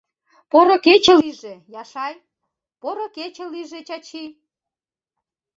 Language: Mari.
— Поро кече лийже, Яшай, поро кече лийже, Чачи!